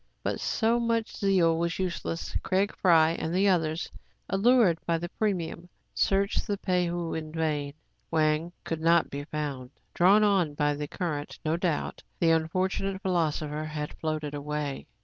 But so much zeal was useless. Fry Craig and the others, allured by the premium, searched the Pei ho in vain. Wang could not be found. Drawn on by the current, no doubt, the unfortunate phil osopher had floated away.